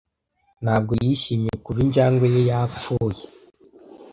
Ntabwo yishimye kuva injangwe ye yapfuye.